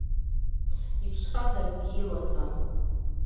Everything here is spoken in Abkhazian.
Иԥшрада акгьы илаӡам.